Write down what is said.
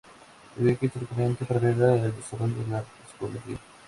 Se ubica históricamente paralela al desarrollo de la psicometría.